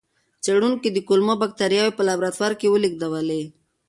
څېړونکي د کولمو بکتریاوې په لابراتوار کې ولېږدولې.